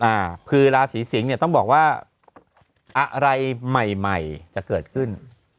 อ่าเพราะสิริสิงต์ต้องบอกว่าอะไรใหม่จะเกิดขึ้น